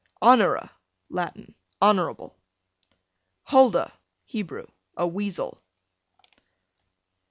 Honora, Latin, honorable. Huldah, Hebrew, a weasel.